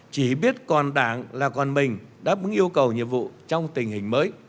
chỉ biết còn đảng là còn mình đáp ứng yêu cầu nhiệm vụ trong tình hình mới